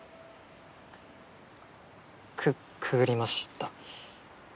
くくぐりました。